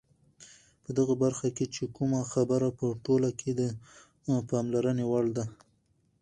په دغه برخه کې چې کومه خبره په ټوله کې د پاملرنې وړ ده،